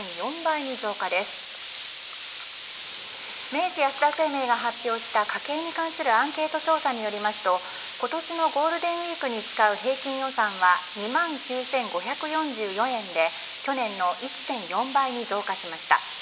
明治安田生命が発表した家計に関するアンケート調査によりますと今年のゴールデンウィークに使う平均予算は２万９５４４円で去年の１．４倍に増加しました。